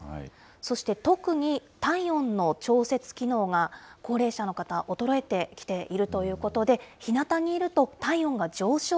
そして特に体温の調節機能が高齢者の方、衰えてきているということで、ひなたにいると体温が上昇